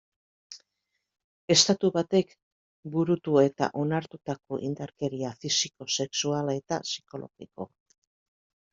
Estatu batek burutu eta onartutako indarkeria fisiko, sexual eta psikologiko.